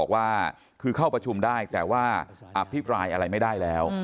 บอกว่าคือเข้าประชุมได้แต่ว่าอภิปรายอะไรไม่ได้แล้ว